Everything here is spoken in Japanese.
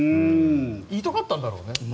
言いたかったんだろうね。